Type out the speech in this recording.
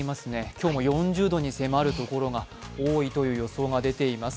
今日も４０度に迫るところが多いという予想が出ています。